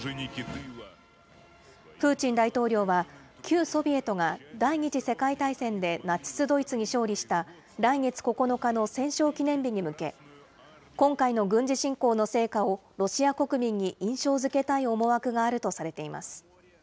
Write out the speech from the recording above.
プーチン大統領は旧ソビエトが第２次世界大戦でナチス・ドイツに勝利した来月９日の戦勝記念日に向け、今回の軍事侵攻の成果をロシア国民に印象づけたい思惑があるとされています。